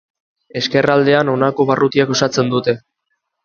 Ezkerraldean honako barrutiek osatzen dute.